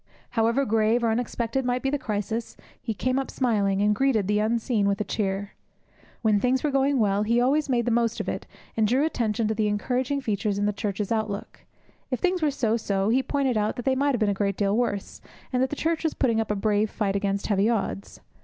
However grave or unexpected might be the crisis, he came up smiling, and greeted the unseen with a cheer. When things were going well, he always made the most of it, and drew attention to the encouraging features in the church's outlook. If things were so so, he pointed out that they might have been a great deal worse, and that the church was putting up a brave fight against heavy odds.